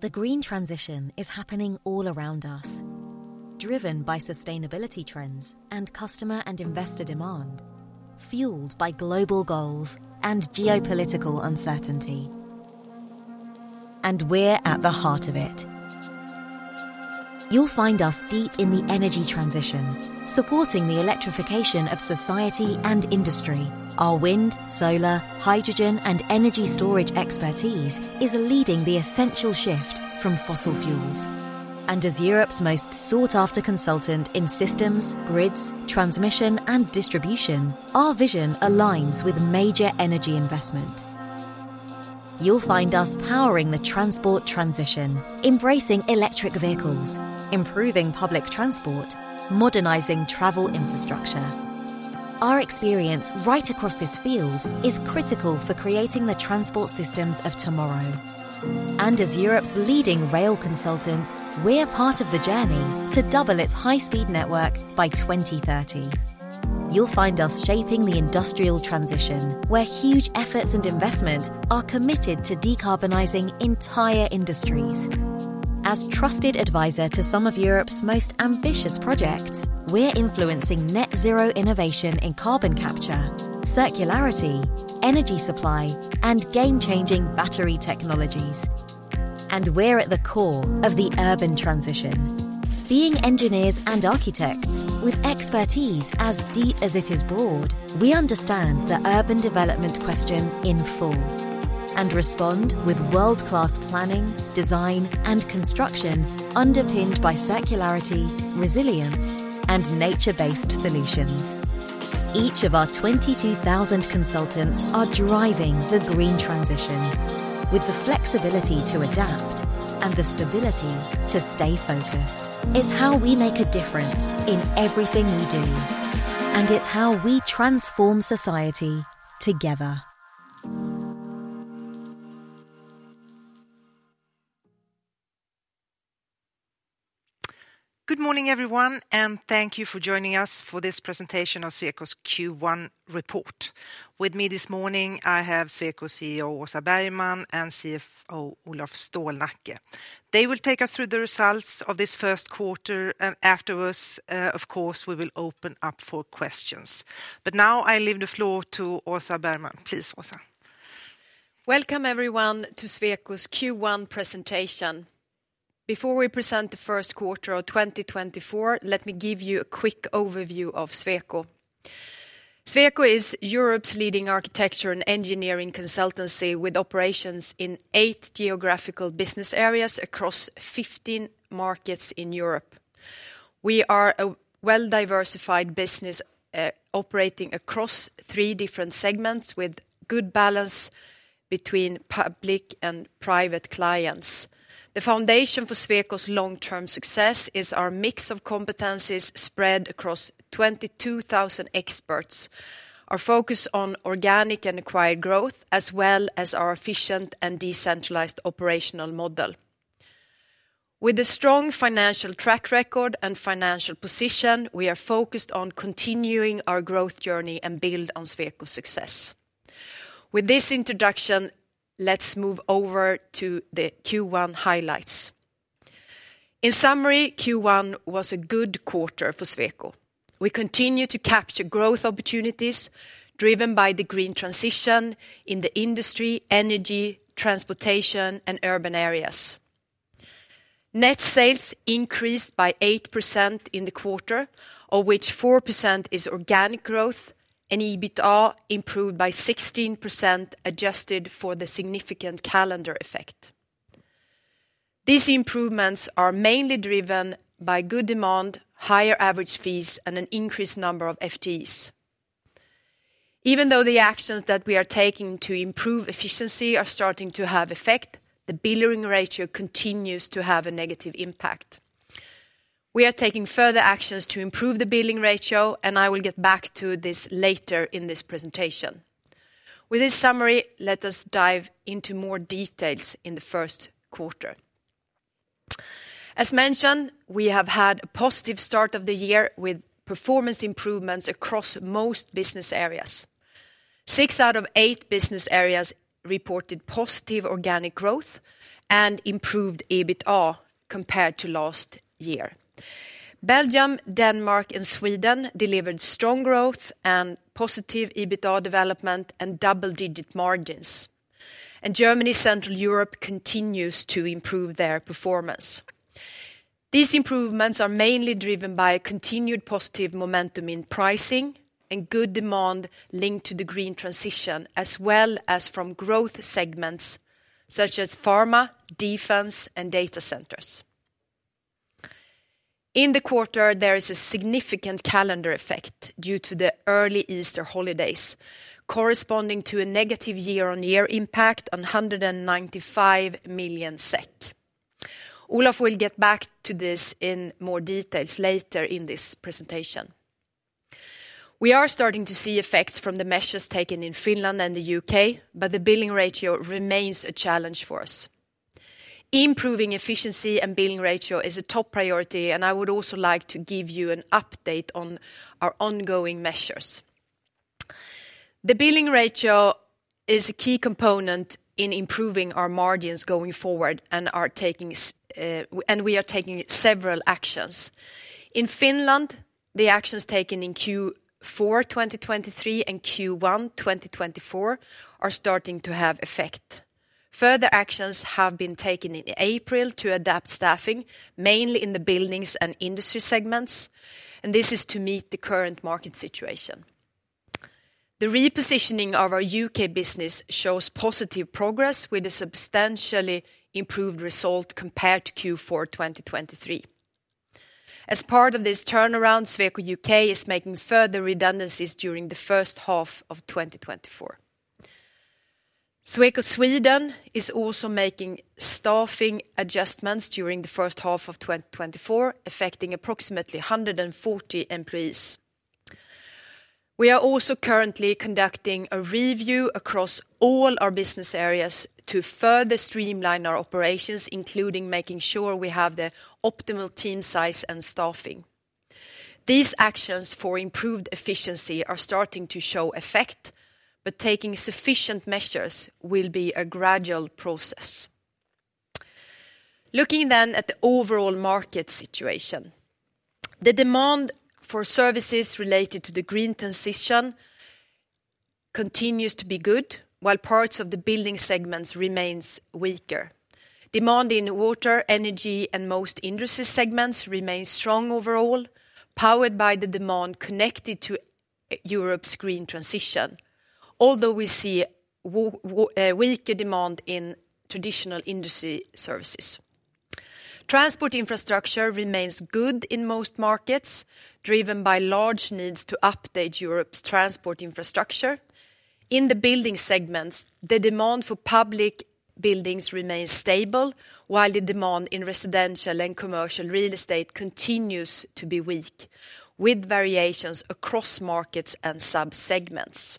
The green transition is happening all around us, driven by sustainability trends and customer and investor demand, fueled by global goals and geopolitical uncertainty. We're at the heart of it. You'll find us deep in the energy transition, supporting the electrification of society and industry. Our wind, solar, hydrogen, and energy storage expertise is leading the essential shift from fossil fuels. As Europe's most sought-after consultant in systems, grids, transmission, and distribution, our vision aligns with major energy investment. You'll find us powering the transport transition, embracing electric vehicles, improving public transport, modernizing travel infrastructure. Our experience right across this field is critical for creating the transport systems of tomorrow. As Europe's leading rail consultant, we're part of the journey to double its high-speed network by 2030. You'll find us shaping the industrial transition, where huge efforts and investment are committed to decarbonizing entire industries. As trusted advisor to some of Europe's most ambitious projects, we're influencing net-zero innovation in carbon capture, circularity, energy supply, and game-changing battery technologies. We're at the core of the urban transition. Being engineers and architects with expertise as deep as it is broad, we understand the urban development question in full and respond with world-class planning, design, and construction underpinned by circularity, resilience, and nature-based solutions. Each of our 22,000 consultants are driving the green transition. With the flexibility to adapt and the stability to stay focused, it's how we make a difference in everything we do. It's how we transform society together. Good morning, everyone, and thank you for joining us for this presentation of Sweco's Q1 report. With me this morning, I have Sweco CEO Åsa Bergman and CFO Olof Stålnacke. They will take us through the results of this first quarter, and afterwards, of course, we will open up for questions. But now I leave the floor to Åsa Bergman. Please, Åsa. Welcome, everyone, to Sweco's Q1 presentation. Before we present the first quarter of 2024, let me give you a quick overview of Sweco. Sweco is Europe's leading architecture and engineering consultancy with operations in 8 geographical business areas across 15 markets in Europe. We are a well-diversified business operating across 3 different segments with good balance between public and private clients. The foundation for Sweco's long-term success is our mix of competencies spread across 22,000 experts, our focus on organic and acquired growth, as well as our efficient and decentralized operational model. With a strong financial track record and financial position, we are focused on continuing our growth journey and build on Sweco's success. With this introduction, let's move over to the Q1 highlights. In summary, Q1 was a good quarter for Sweco. We continue to capture growth opportunities driven by the green transition in the industry, energy, transportation, and urban areas. Net sales increased by 8% in the quarter, of which 4% is organic growth, and EBITDA improved by 16% adjusted for the significant calendar effect. These improvements are mainly driven by good demand, higher average fees, and an increased number of FTEs. Even though the actions that we are taking to improve efficiency are starting to have effect, the billing ratio continues to have a negative impact. We are taking further actions to improve the billing ratio, and I will get back to this later in this presentation. With this summary, let us dive into more details in the first quarter. As mentioned, we have had a positive start of the year with performance improvements across most business areas. Six out of eight business areas reported positive organic growth and improved EBITDA compared to last year. Belgium, Denmark, and Sweden delivered strong growth and positive EBITDA development and double-digit margins. Germany's Central Europe continues to improve their performance. These improvements are mainly driven by continued positive momentum in pricing and good demand linked to the green transition, as well as from growth segments such as pharma, defense, and data centers. In the quarter, there is a significant calendar effect due to the early Easter holidays, corresponding to a negative year-on-year impact on 195 million SEK. Olof will get back to this in more details later in this presentation. We are starting to see effects from the measures taken in Finland and the UK, but the billing ratio remains a challenge for us. Improving efficiency and billing ratio is a top priority, and I would also like to give you an update on our ongoing measures. The billing ratio is a key component in improving our margins going forward, and we are taking several actions. In Finland, the actions taken in Q4 2023 and Q1 2024 are starting to have effect. Further actions have been taken in April to adapt staffing, mainly in the buildings and industry segments, and this is to meet the current market situation. The repositioning of our U.K. business shows positive progress with a substantially improved result compared to Q4 2023. As part of this turnaround, Sweco U.K. is making further redundancies during the first half of 2024. Sweco Sweden is also making staffing adjustments during the first half of 2024, affecting approximately 140 employees. We are also currently conducting a review across all our business areas to further streamline our operations, including making sure we have the optimal team size and staffing. These actions for improved efficiency are starting to show effect, but taking sufficient measures will be a gradual process. Looking then at the overall market situation, the demand for services related to the green transition continues to be good, while parts of the building segments remain weaker. Demand in water, energy, and most industries segments remains strong overall, powered by the demand connected to Europe's green transition, although we see weaker demand in traditional industry services. Transport infrastructure remains good in most markets, driven by large needs to update Europe's transport infrastructure. In the building segments, the demand for public buildings remains stable, while the demand in residential and commercial real estate continues to be weak, with variations across markets and subsegments.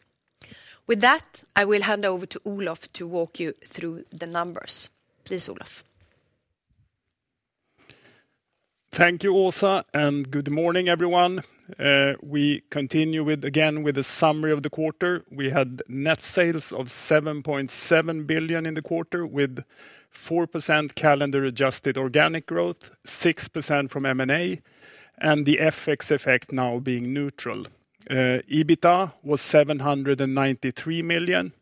With that, I will hand over to Olof to walk you through the numbers. Please, Olof. Thank you, Åsa, and good morning, everyone. We continue again with a summary of the quarter. We had net sales of 7.7 billion in the quarter with 4% calendar-adjusted organic growth, 6% from M&A, and the FX effect now being neutral. EBITDA was 793 million.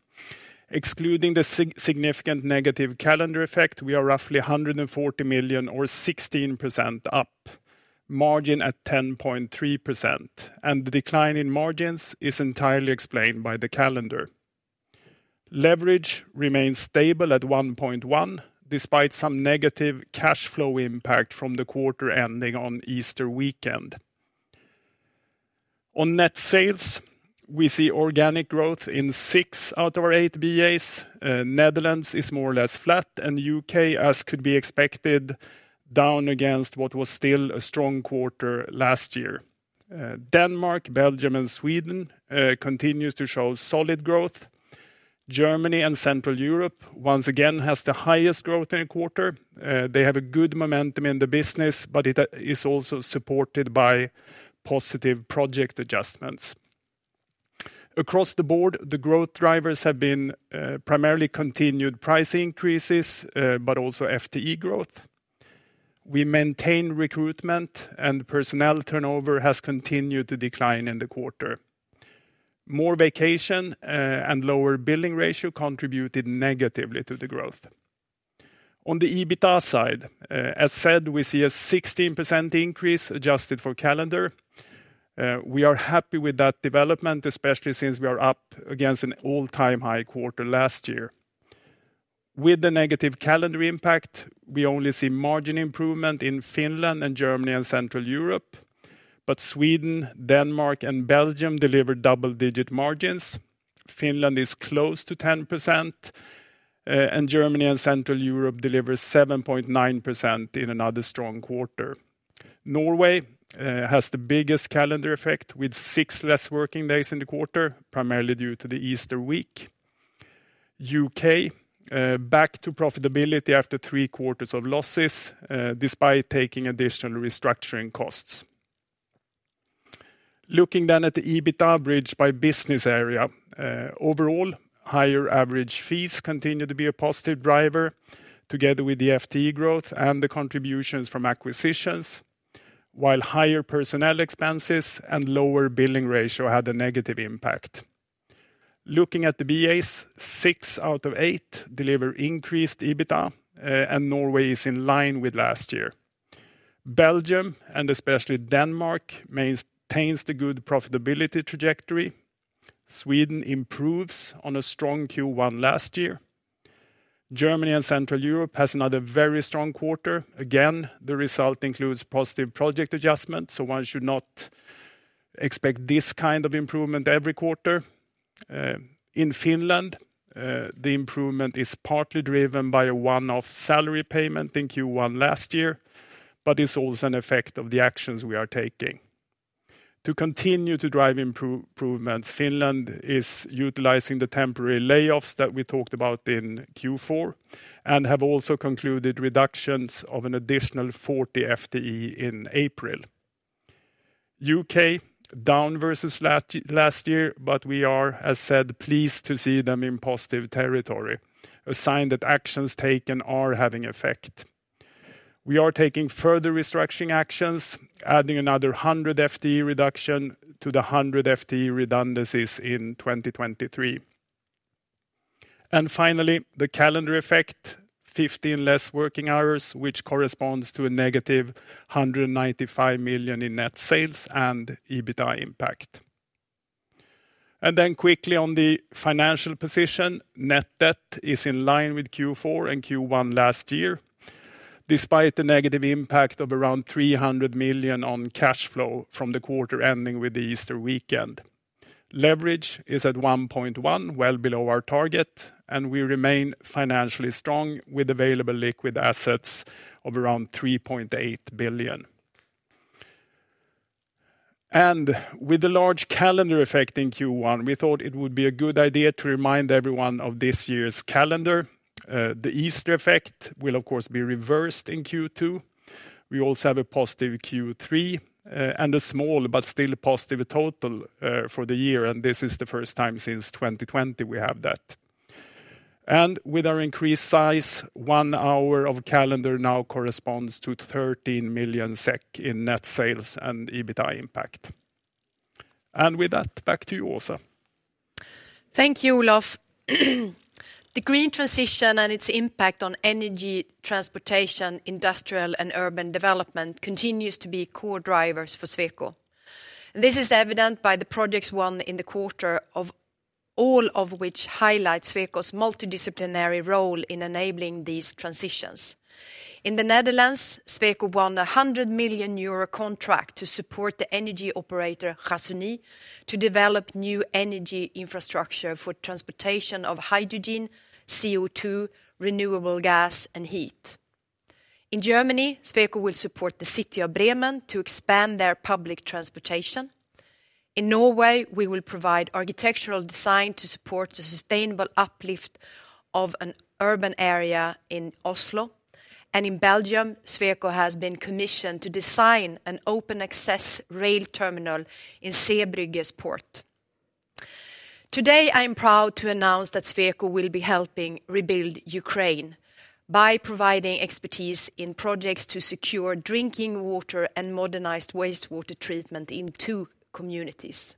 Excluding the significant negative calendar effect, we are roughly 140 million or 16% up, margin at 10.3%, and the decline in margins is entirely explained by the calendar. Leverage remains stable at 1.1 despite some negative cash flow impact from the quarter ending on Easter weekend. On net sales, we see organic growth in six out of our eight BAs. Netherlands is more or less flat, and the UK, as could be expected, down against what was still a strong quarter last year. Denmark, Belgium, and Sweden continue to show solid growth. Germany and Central Europe once again have the highest growth in the quarter. They have a good momentum in the business, but it is also supported by positive project adjustments. Across the board, the growth drivers have been primarily continued price increases but also FTE growth. We maintain recruitment, and personnel turnover has continued to decline in the quarter. More vacation and lower billing ratio contributed negatively to the growth. On the EBITDA side, as said, we see a 16% increase adjusted for calendar. We are happy with that development, especially since we are up against an all-time high quarter last year. With the negative calendar impact, we only see margin improvement in Finland and Germany and Central Europe, but Sweden, Denmark, and Belgium deliver double-digit margins. Finland is close to 10%, and Germany and Central Europe deliver 7.9% in another strong quarter. Norway has the biggest calendar effect with 6 less working days in the quarter, primarily due to the Easter week. U.K. back to profitability after 3 quarters of losses despite taking additional restructuring costs. Looking then at the EBITDA bridge by business area, overall, higher average fees continue to be a positive driver together with the FTE growth and the contributions from acquisitions, while higher personnel expenses and lower billing ratio had a negative impact. Looking at the BAs, 6 out of 8 deliver increased EBITDA, and Norway is in line with last year. Belgium and especially Denmark maintains the good profitability trajectory. Sweden improves on a strong Q1 last year. Germany and Central Europe have another very strong quarter. Again, the result includes positive project adjustments, so one should not expect this kind of improvement every quarter. In Finland, the improvement is partly driven by a one-off salary payment in Q1 last year, but it's also an effect of the actions we are taking. To continue to drive improvements, Finland is utilizing the temporary layoffs that we talked about in Q4 and have also concluded reductions of an additional 40 FTE in April. U.K. down versus last year, but we are, as said, pleased to see them in positive territory, a sign that actions taken are having effect. We are taking further restructuring actions, adding another 100 FTE reduction to the 100 FTE redundancies in 2023. And finally, the calendar effect, 15 less working hours, which corresponds to a negative 195 million in net sales and EBITDA impact. And then quickly on the financial position, net debt is in line with Q4 and Q1 last year, despite the negative impact of around 300 million on cash flow from the quarter ending with the Easter weekend. Leverage is at 1.1, well below our target, and we remain financially strong with available liquid assets of around 3.8 billion. With the large calendar effect in Q1, we thought it would be a good idea to remind everyone of this year's calendar. The Easter effect will, of course, be reversed in Q2. We also have a positive Q3 and a small but still positive total for the year, and this is the first time since 2020 we have that. With our increased size, one hour of calendar now corresponds to 13 million SEK in net sales and EBITDA impact. With that, back to you, Åsa. Thank you, Olof. The green transition and its impact on energy, transportation, industrial, and urban development continues to be core drivers for Sweco. This is evident by the projects won in the quarter, all of which highlight Sweco's multidisciplinary role in enabling these transitions. In the Netherlands, Sweco won a 100 million euro contract to support the energy operator Gasunie to develop new energy infrastructure for transportation of hydrogen, CO2, renewable gas, and heat. In Germany, Sweco will support the city of Bremen to expand their public transportation. In Norway, we will provide architectural design to support the sustainable uplift of an urban area in Oslo. In Belgium, Sweco has been commissioned to design an open-access rail terminal in Zeebrugge Port. Today, I am proud to announce that Sweco will be helping rebuild Ukraine by providing expertise in projects to secure drinking water and modernized wastewater treatment in two communities.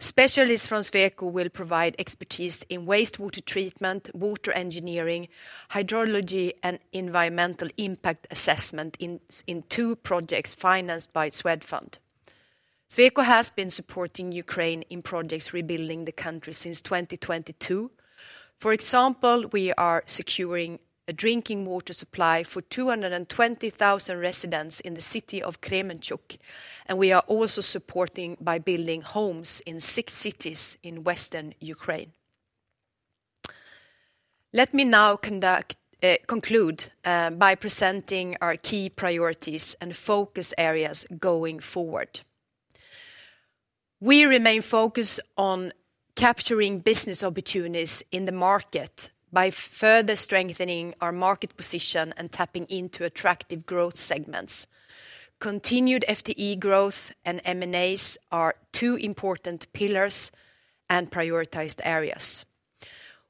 Specialists from Sweco will provide expertise in wastewater treatment, water engineering, hydrology, and environmental impact assessment in two projects financed by Swedfund. Sweco has been supporting Ukraine in projects rebuilding the country since 2022. For example, we are securing a drinking water supply for 220,000 residents in the city of Kremenchuk, and we are also supporting by building homes in six cities in Western Ukraine. Let me now conclude by presenting our key priorities and focus areas going forward. We remain focused on capturing business opportunities in the market by further strengthening our market position and tapping into attractive growth segments. Continued FTE growth and M&As are two important pillars and prioritized areas.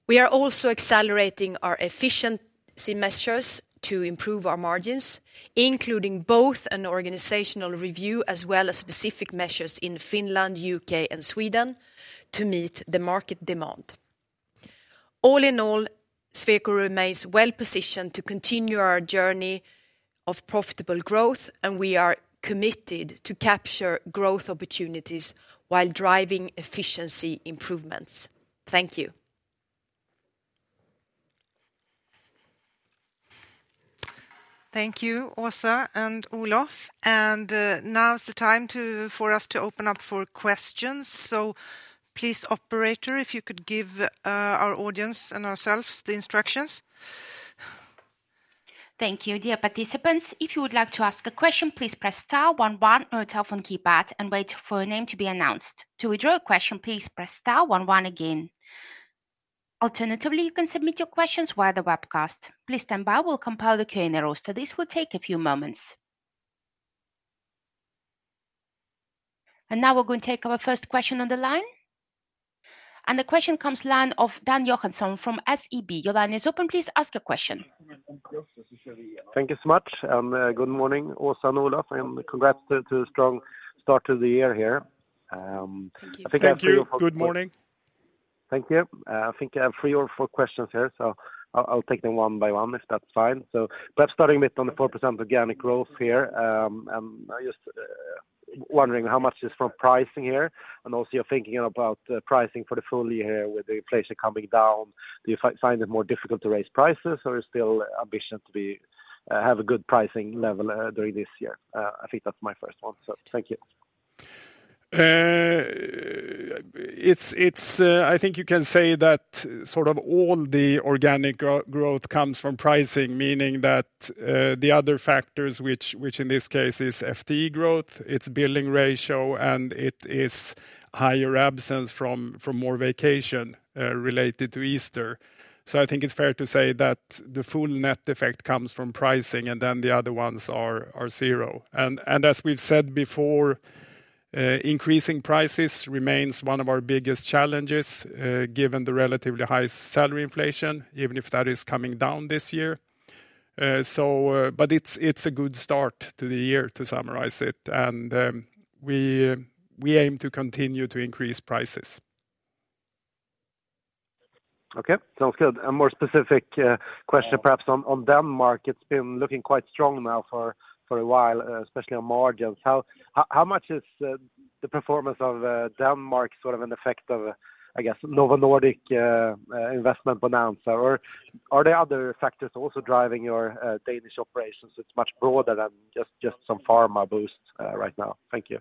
We are also accelerating our efficiency measures to improve our margins, including both an organizational review as well as specific measures in Finland, U.K., and Sweden to meet the market demand. All in all, Sweco remains well positioned to continue our journey of profitable growth, and we are committed to capture growth opportunities while driving efficiency improvements. Thank you. Thank you, Åsa and Olof. Now's the time for us to open up for questions. Please, operator, if you could give our audience and ourselves the instructions. Thank you. Dear participants, if you would like to ask a question, please press star one one on the telephone keypad and wait for your name to be announced. To withdraw a question, please press star one one again. Alternatively, you can submit your questions via the webcast. Please stand by. We'll compile the Q&A roster. This will take a few moments. Now we're going to take our first question on the line. The question comes from the line of Dan Johansson from SEB. Your line is open. Please ask a question. Thank you so much. Good morning, Åsa and Olof, and congrats to the strong start of the year here. I think I have three or four. Thank you. Good morning. Thank you. I think I have three or four questions here, so I'll take them one by one if that's fine. So perhaps starting with on the 4% organic growth here, and I'm just wondering how much is from pricing here, and also you're thinking about pricing for the full year here with the inflation coming down. Do you find it more difficult to raise prices, or is it still ambitious to have a good pricing level during this year? I think that's my first one, so thank you. I think you can say that sort of all the organic growth comes from pricing, meaning that the other factors, which in this case is FTE growth, it's billing ratio, and it is higher absence from more vacation related to Easter. So I think it's fair to say that the full net effect comes from pricing, and then the other ones are zero. And as we've said before, increasing prices remains one of our biggest challenges given the relatively high salary inflation, even if that is coming down this year. But it's a good start to the year, to summarize it, and we aim to continue to increase prices. Okay, sounds good. A more specific question perhaps on Denmark. It's been looking quite strong now for a while, especially on margins. How much is the performance of Denmark sort of an effect of, I guess, Novo Nordisk investment bonanza, or are there other factors also driving your Danish operations? It's much broader than just some pharma boost right now. Thank you.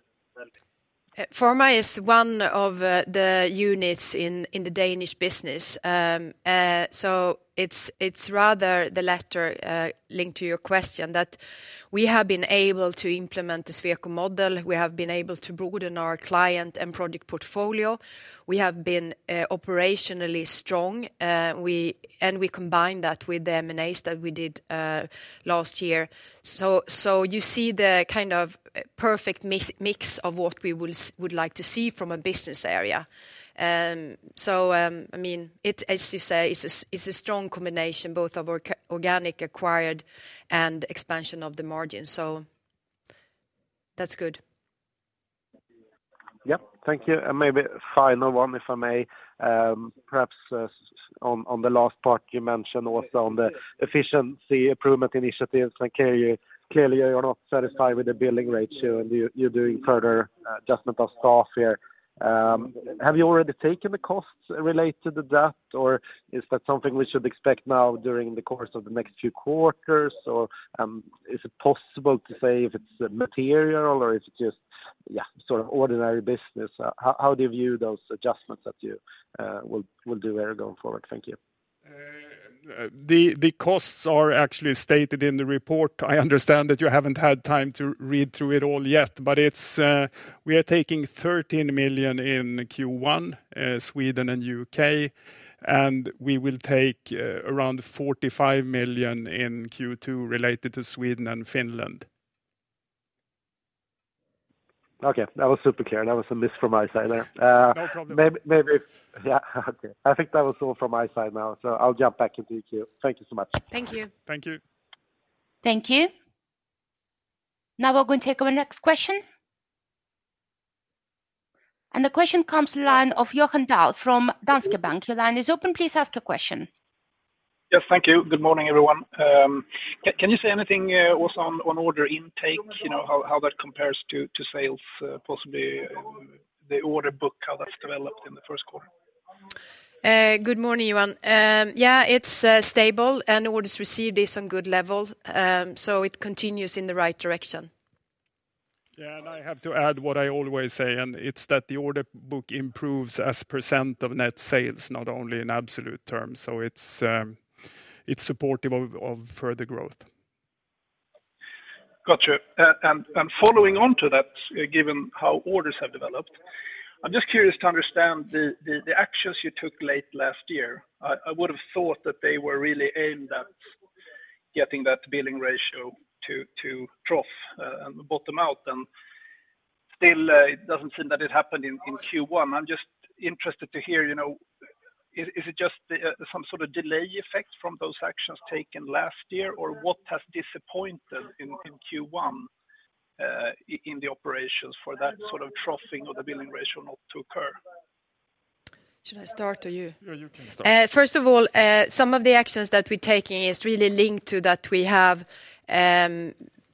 Pharma is one of the units in the Danish business, so it's rather the latter linked to your question that we have been able to implement the Sweco model. We have been able to broaden our client and project portfolio. We have been operationally strong, and we combine that with the M&As that we did last year. So you see the kind of perfect mix of what we would like to see from a business area. So I mean, as you say, it's a strong combination, both of our organic acquired and expansion of the margins. So that's good. Yep, thank you. Maybe final one, if I may, perhaps on the last part you mentioned also on the efficiency improvement initiatives. Clearly, you're not satisfied with the billing ratio, and you're doing further adjustment of staff here. Have you already taken the costs related to that, or is that something we should expect now during the course of the next few quarters, or is it possible to say if it's material or if it's just sort of ordinary business? How do you view those adjustments that you will do here going forward? Thank you. The costs are actually stated in the report. I understand that you haven't had time to read through it all yet, but we are taking 13 million in Q1, Sweden and UK, and we will take around 45 million in Q2 related to Sweden and Finland. Okay, that was super clear. That was a miss from my side there. Maybe, yeah, okay. I think that was all from my side now, so I'll jump back into your queue. Thank you so much. Thank you. Thank you. Thank you. Now we're going to take our next question. The question comes from the line of Johan Dahl from Danske Bank. Your line is open. Please ask a question. Yes, thank you. Good morning, everyone. Can you say anything, Åsa, on order intake, how that compares to sales, possibly the order book, how that's developed in the first quarter? Good morning, Johan. Yeah, it's stable, and orders received are on good level, so it continues in the right direction. Yeah, and I have to add what I always say, and it's that the order book improves as % of net sales, not only in absolute terms, so it's supportive of further growth. Got you. Following on to that, given how orders have developed, I'm just curious to understand the actions you took late last year. I would have thought that they were really aimed at getting that billing ratio to trough and bottom out, and still, it doesn't seem that it happened in Q1. I'm just interested to hear, is it just some sort of delay effect from those actions taken last year, or what has disappointed in Q1 in the operations for that sort of troughing or the billing ratio not to occur? Should I start or you? Yeah, you can start. First of all, some of the actions that we're taking are really linked to that we have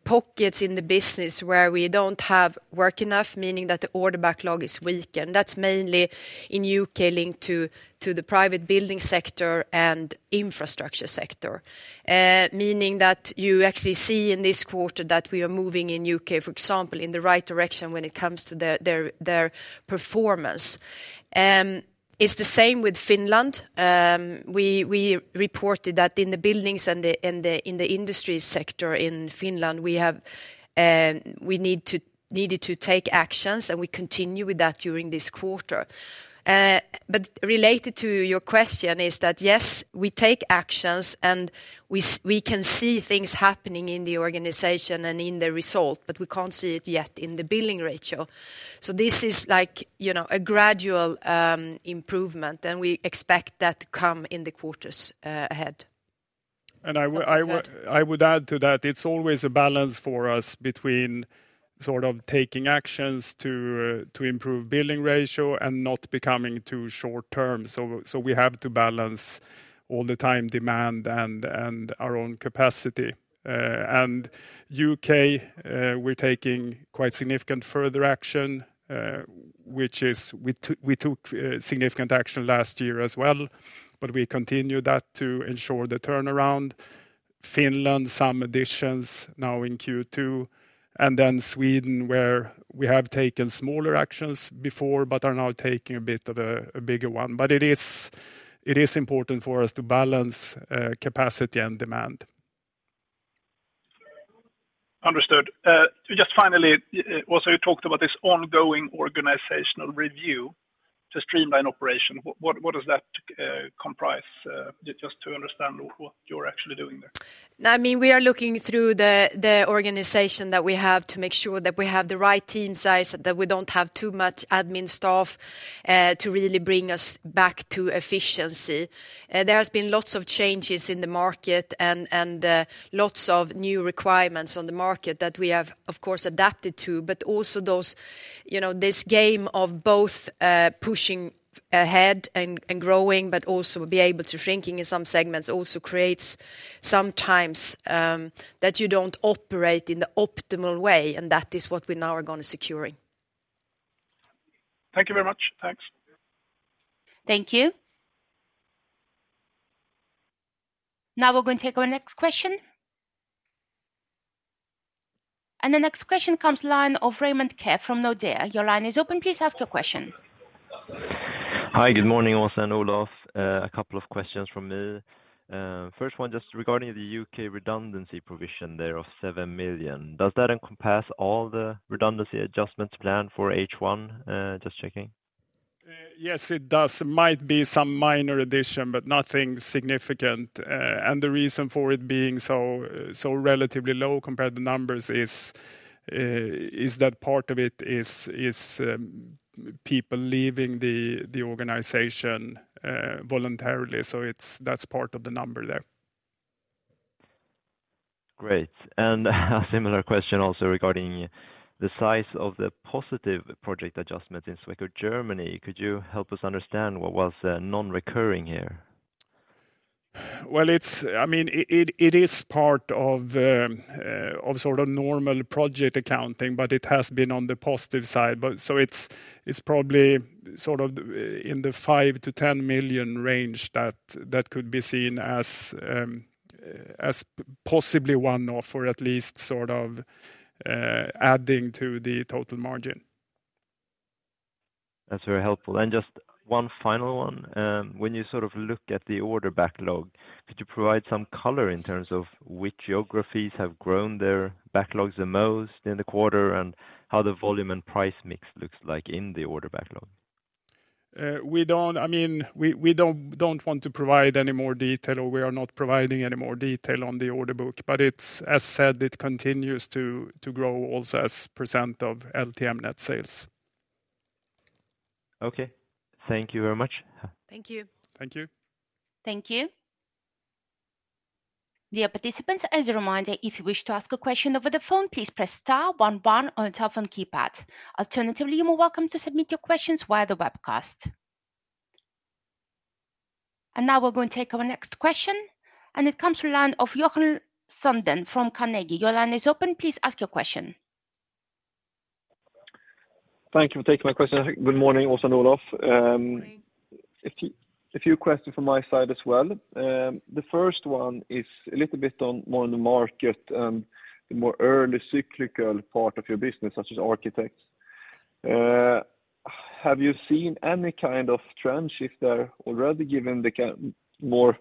pockets in the business where we don't have work enough, meaning that the order backlog is weakened. That's mainly in U.K. linked to the private building sector and infrastructure sector, meaning that you actually see in this quarter that we are moving in U.K., for example, in the right direction when it comes to their performance. It's the same with Finland. We reported that in the buildings and in the industry sector in Finland, we needed to take actions, and we continue with that during this quarter. But related to your question is that, yes, we take actions, and we can see things happening in the organization and in the result, but we can't see it yet in the billing ratio. This is like a gradual improvement, and we expect that to come in the quarters ahead. I would add to that, it's always a balance for us between sort of taking actions to improve billing ratio and not becoming too short-term. We have to balance all the time demand and our own capacity. U.K., we're taking quite significant further action, which is we took significant action last year as well, but we continue that to ensure the turnaround. Finland, some additions now in Q2, and then Sweden, where we have taken smaller actions before but are now taking a bit of a bigger one. It is important for us to balance capacity and demand. Understood. Just finally, Åsa, you talked about this ongoing organizational review to streamline operation. What does that comprise, just to understand what you're actually doing there? I mean, we are looking through the organization that we have to make sure that we have the right team size, that we don't have too much admin staff to really bring us back to efficiency. There have been lots of changes in the market and lots of new requirements on the market that we have, of course, adapted to, but also this game of both pushing ahead and growing, but also be able to shrinking in some segments also creates sometimes that you don't operate in the optimal way, and that is what we now are going to secure. Thank you very much. Thanks. Thank you. Now we're going to take our next question. The next question comes from the line of Raymond Ke from Nordea. Your line is open. Please ask your question. Hi, good morning, Åsa and Olof. A couple of questions from me. First one, just regarding the U.K. redundancy provision there of 7 million. Does that encompass all the redundancy adjustments planned for H1? Just checking. Yes, it does. It might be some minor addition, but nothing significant. The reason for it being so relatively low compared to numbers is that part of it is people leaving the organization voluntarily, so that's part of the number there. Great. A similar question also regarding the size of the positive project adjustments in Sweco Germany. Could you help us understand what was non-recurring here? Well, I mean, it is part of sort of normal project accounting, but it has been on the positive side. So it's probably sort of in the 5 million-10 million range that could be seen as possibly one-off or at least sort of adding to the total margin. That's very helpful. Just one final one. When you sort of look at the order backlog, could you provide some color in terms of which geographies have grown their backlogs the most in the quarter and how the volume and price mix looks like in the order backlog? I mean, we don't want to provide any more detail, or we are not providing any more detail on the order book, but as said, it continues to grow also as % of LTM net sales. Okay. Thank you very much. Thank you. Thank you. Thank you. Dear participants, as a reminder, if you wish to ask a question over the phone, please press star 11 or telephone keypad. Alternatively, you're more welcome to submit your questions via the webcast. And now we're going to take our next question, and it comes line of Johan Sondén from Carnegie. Your line is open. Please ask your question. Thank you for taking my question. Good morning, Åsa and Olof. A few questions from my side as well. The first one is a little bit more on the market and the more early cyclical part of your business, such as architects. Have you seen any kind of trend shift there already, given the more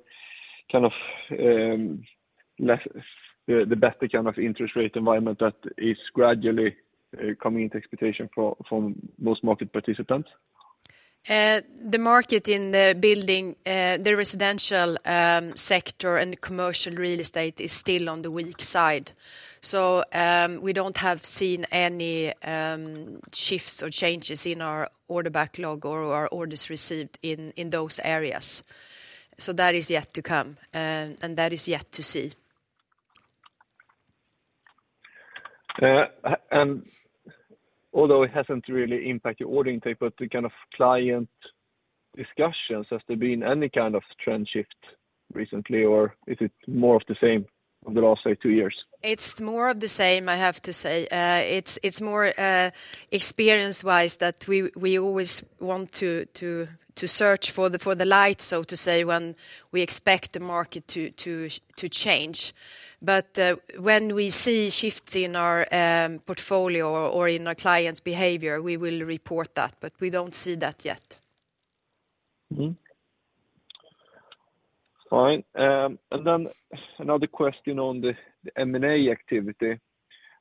kind of the better kind of interest rate environment that is gradually coming into expectation from most market participants? The market in the building, the residential sector, and commercial real estate is still on the weak side. So we don't have seen any shifts or changes in our order backlog or our orders received in those areas. So that is yet to come, and that is yet to see. Although it hasn't really impacted your order intake, but the kind of client discussions, has there been any kind of trend shift recently, or is it more of the same over the last, say, two years? It's more of the same, I have to say. It's more experience-wise that we always want to search for the light, so to say, when we expect the market to change. But when we see shifts in our portfolio or in our clients' behavior, we will report that, but we don't see that yet. Fine. Then another question on the M&A activity.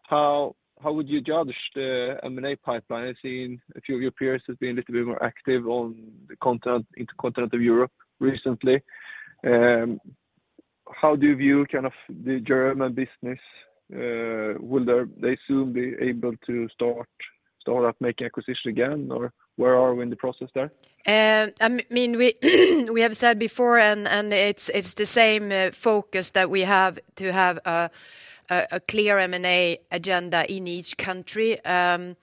How would you judge the M&A pipeline? I've seen a few of your peers have been a little bit more active on the continent of Europe recently. How do you view kind of the German business? Will they soon be able to start up making acquisitions again, or where are we in the process there? I mean, we have said before, and it's the same focus that we have to have a clear M&A agenda in each country. And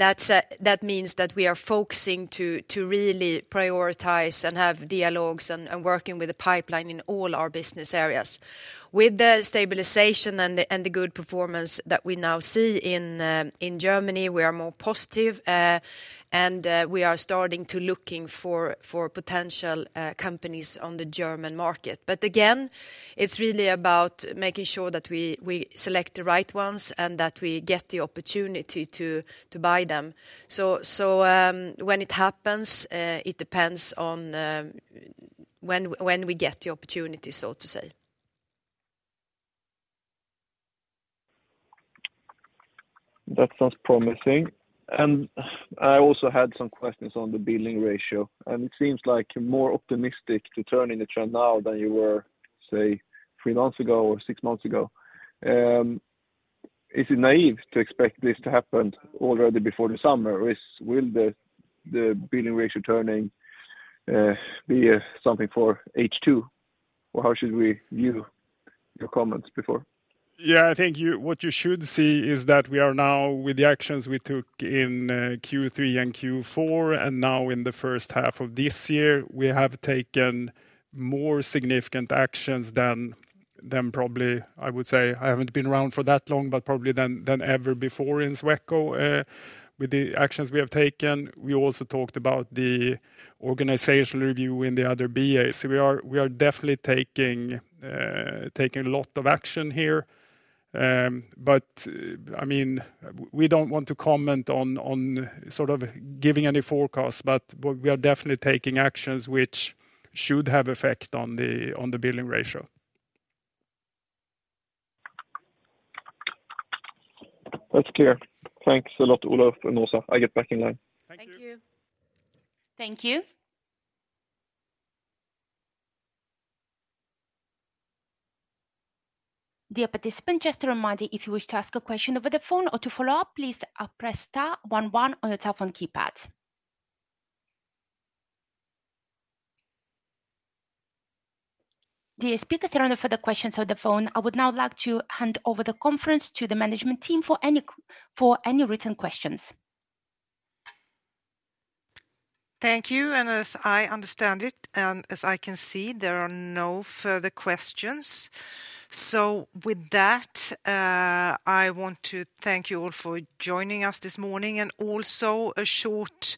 that means that we are focusing to really prioritize and have dialogues and working with the pipeline in all our business areas. With the stabilization and the good performance that we now see in Germany, we are more positive, and we are starting to look for potential companies on the German market. But again, it's really about making sure that we select the right ones and that we get the opportunity to buy them. So when it happens, it depends on when we get the opportunity, so to say. That sounds promising. I also had some questions on the billing ratio, and it seems like you're more optimistic to turn in the trend now than you were, say, three months ago or six months ago. Is it naive to expect this to happen already before the summer, or will the billing ratio turning be something for H2, or how should we view your comments before? Yeah, I think what you should see is that we are now with the actions we took in Q3 and Q4, and now in the first half of this year, we have taken more significant actions than probably I would say I haven't been around for that long, but probably than ever before in Sweco with the actions we have taken. We also talked about the organizational review in the other BA. So we are definitely taking a lot of action here. But I mean, we don't want to comment on sort of giving any forecasts, but we are definitely taking actions which should have effect on the billing ratio. That's clear. Thanks a lot, Olof and Åsa. I'll get back in line. Thank you. Thank you. Dear participants, just a reminder, if you wish to ask a question over the phone or to follow up, please press star one one on your telephone keypad. Dear speakers, I don't have further questions over the phone. I would now like to hand over the conference to the management team for any written questions. Thank you. As I understand it and as I can see, there are no further questions. With that, I want to thank you all for joining us this morning. Also a short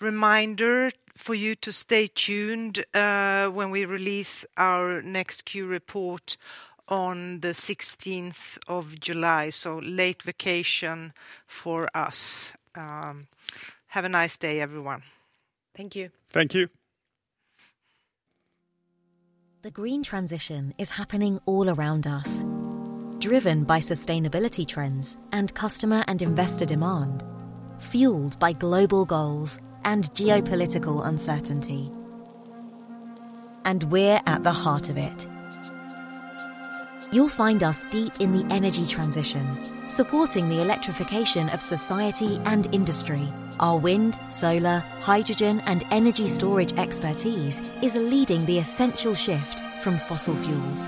reminder for you to stay tuned when we release our next Q report on the 16th of July. Late vacation for us. Have a nice day, everyone. Thank you. Thank you. The green transition is happening all around us, driven by sustainability trends and customer and investor demand, fueled by global goals and geopolitical uncertainty. And we're at the heart of it. You'll find us deep in the energy transition, supporting the electrification of society and industry. Our wind, solar, hydrogen, and energy storage expertise is leading the essential shift from fossil fuels.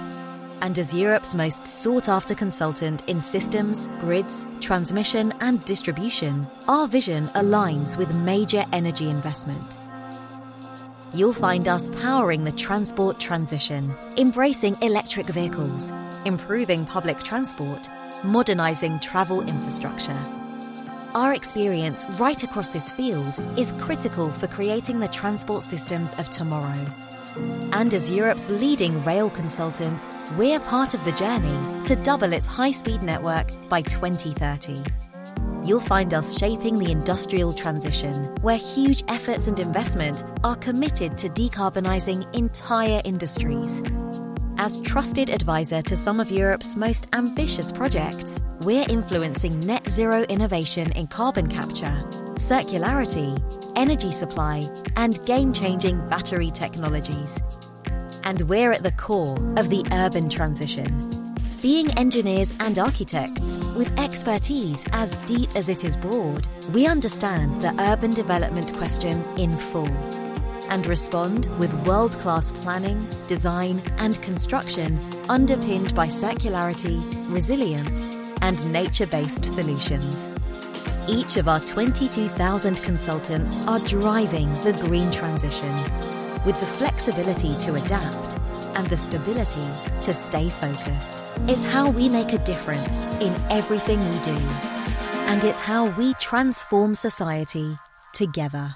And as Europe's most sought-after consultant in systems, grids, transmission, and distribution, our vision aligns with major energy investment. You'll find us powering the transport transition, embracing electric vehicles, improving public transport, modernizing travel infrastructure. Our experience right across this field is critical for creating the transport systems of tomorrow. And as Europe's leading rail consultant, we're part of the journey to double its high-speed network by 2030. You'll find us shaping the industrial transition, where huge efforts and investment are committed to decarbonizing entire industries. As trusted advisor to some of Europe's most ambitious projects, we're influencing net-zero innovation in carbon capture, circularity, energy supply, and game-changing battery technologies. We're at the core of the urban transition. Being engineers and architects with expertise as deep as it is broad, we understand the urban development question in full and respond with world-class planning, design, and construction underpinned by circularity, resilience, and nature-based solutions. Each of our 22,000 consultants are driving the green transition. With the flexibility to adapt and the stability to stay focused, it's how we make a difference in everything we do, and it's how we transform society together.